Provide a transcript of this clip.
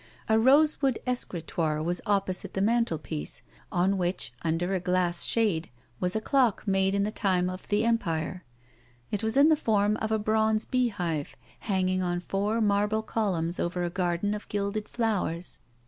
A rosewood escritoire was opposite the mantelpiece, on which, under a glass shade, was a clock made in the time of the Empire. It was in the form of a bronze bee hive hanging on four marble cohunns over a garden of gilded flowers.